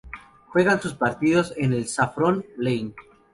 Juegan sus partidos en el Saffron Lane.